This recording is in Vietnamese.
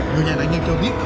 người nhà nạn nhân cho biết